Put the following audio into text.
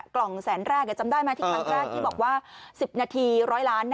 กล่องแสนแรกจำได้ไหมที่ครั้งแรกที่บอกว่า๑๐นาที๑๐๐ล้าน